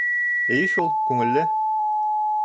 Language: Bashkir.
— Эйе шул, күңелле.